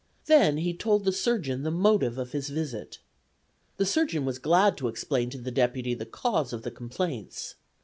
Then he told the surgeon the motive of his visit. The surgeon was glad to explain to the deputy the cause of the complaints.